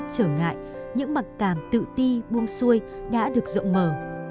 trở ngại những mặc cảm tự ti buông xuôi đã được rộng mở